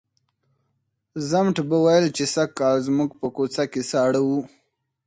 ضمټ به ویل چې سږکال زموږ په کوڅه کې ساړه وو.